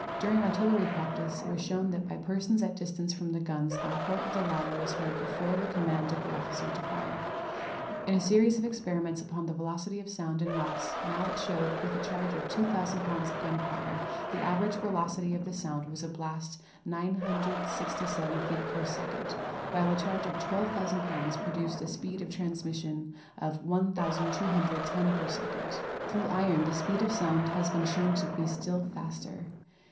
During artil lery practice it was shown that by persons at distance from the guns the report of the latter was heard before the command of the officer to fire. In a series of experiments upon the velocity of sound in rocks Mallet showed that with a charge of 2,000 pounds of gunpowder the average velocity of the sound of a blast was 967 feet per second, while a charge of 12,000 pounds produced a speed of trans mission of 1,210 per second. Through iron the speed of sound has been shown to be still faster.